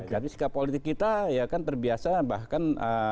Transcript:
tapi sikap politik kita ya kan terbiasa bahkan